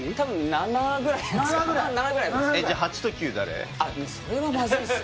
７ぐらいです